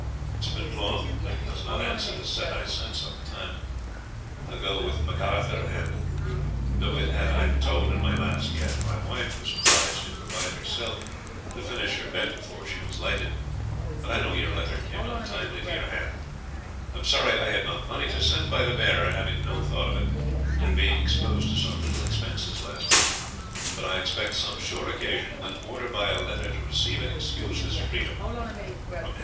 It's good cloath but it does not answer the sett I sent some time agae wt McArthur & tho it had I told in my last yt my wife was obliged to provid herself to finish her bed before she was lighted but I know yt letr came not timely to yr hand I'm sory I had not mony to send by the bearer having no thought of it & being exposed to some little expenses last week but I expect some sure occasion when order by a letter to receive it excuse this freedom from &c.